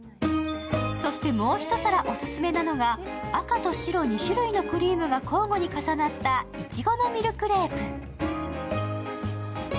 そしてもう一皿オススメなのが、赤と白２種類のクリームが交互に重なったイチゴのミルクレープ。